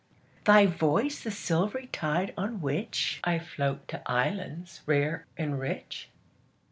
Thy voice the silvery tide on whichI float to islands rare and rich?